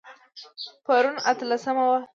پرون اتلسمه وه